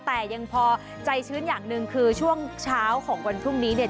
แต่ยังพอใจชื้นอย่างหนึ่งคือช่วงเช้าของวันพรุ่งนี้เนี่ย